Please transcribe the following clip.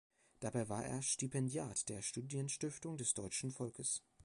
Dabei war er Stipendiat der Studienstiftung des deutschen Volkes.